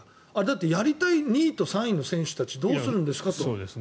やりたい２位と３位の選手たちはどうするんですかと。